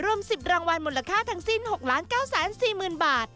รวม๑๐รางวัลมูลค่าทั้งสิ้น๖๙๔๐๐๐บาท